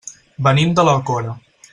Venim de l'Alcora.